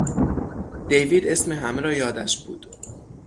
دیوید اسم همه را یادش بود!